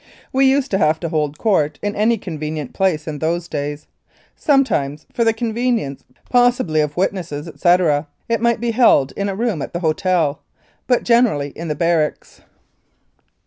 We used to have to hold Court in any convenient place in those days; sometimes, for the convenience possibly of wit nesses, etc., it might be held in a room at the hotel, but generally in the barracks.